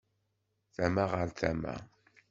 Tama ɣer tama.